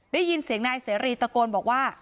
ได้ยินเสียงนายเสรีตะโกนบอกว่า